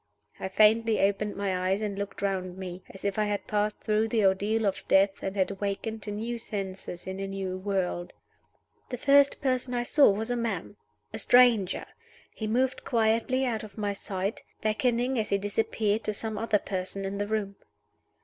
I faintly opened my eyes and looked round me as if I had passed through the ordeal of death, and had awakened to new senses in a new world. The first person I saw was a man a stranger. He moved quietly out of my sight; beckoning, as he disappeared, to some other person in the room.